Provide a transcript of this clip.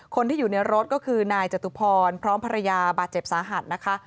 คนที่อยู่ในรถก็คือนายจตุพรพร้อมภรรยาบาดเจ็บสาหัสนะคะ